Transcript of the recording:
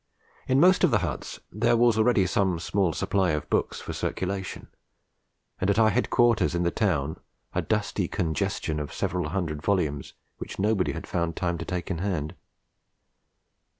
In most of the huts there was already some small supply of books for circulation, and at our headquarters in the town a dusty congestion of several hundred volumes which nobody had found time to take in hand.